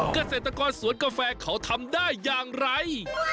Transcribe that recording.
เกษตรกรสวนกาแฟเขาทำได้อย่างไร